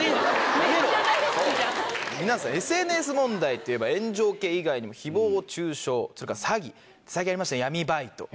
皆さんＳＮＳ問題といえば炎上系以外にも誹謗中傷それから詐欺最近ありましたね闇バイト。